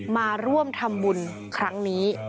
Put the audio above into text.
มาร่วมทำบุญครั้งนี้